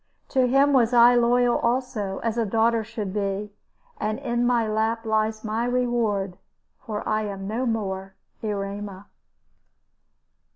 To him was I loyal also, as a daughter should be; and in my lap lies my reward for I am no more Erema.